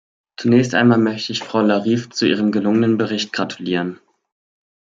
Zunächst einmal möchte ich Frau Larive zu ihrem gelungenen Bericht gratulieren.